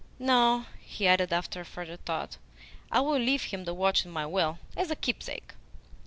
"No," he added after further thought. "I will leave him the watch in my will, as a keepsake."